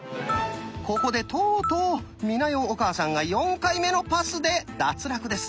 ここでとうとう美奈代お母さんが４回目のパスで脱落です。